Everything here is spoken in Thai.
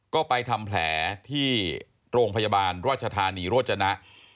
ก็ไปทำแผลที่โรงพยาบาลราชธานีโรจนะ